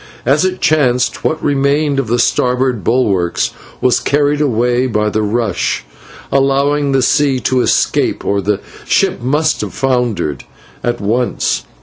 As it chanced, what remained of the starboard bulwarks was carried away by the rush, allowing the sea to escape, or the ship must have foundered at once.